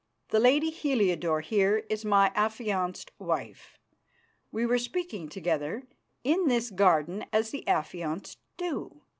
The lady Heliodore here is my affianced wife. We were speaking together in this garden as the affianced do.